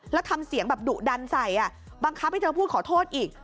แล้วทำเสียงแบบดุดันใส่บังคับให้เธอพูดขอโทษอีก